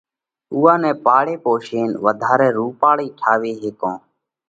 ان اُوئا نئہ پاۯي پوشينَ وڌارئہ رُوپاۯئي ٺاوي ھيڪوھ۔